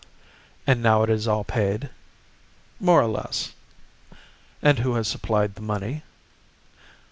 "And now it is all paid?" "More or less." "And who has supplied the money?"